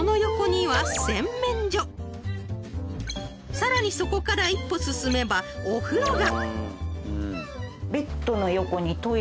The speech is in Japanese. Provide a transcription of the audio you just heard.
［さらにそこから一歩進めばお風呂が］